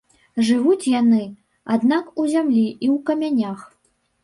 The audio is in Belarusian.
Жывуць яны, аднак, у зямлі і ў камянях.